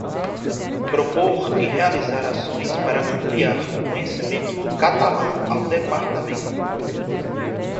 Propor e realizar ações para ampliar o conhecimento do catalão ao Departamento.